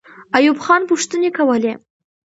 ایوب خان پوښتنې کولې.